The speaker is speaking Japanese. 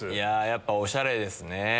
やっぱおしゃれですね。